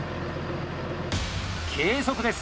計測です。